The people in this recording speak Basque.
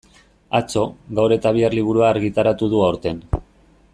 Atzo, gaur eta bihar liburua argitaratu du aurten.